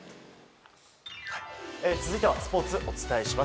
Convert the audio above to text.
続いてはスポーツお伝えします。